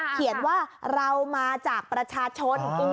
เขียนว่าเรามาจากประชาชน